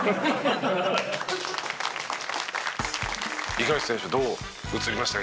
五十嵐選手どう映りました？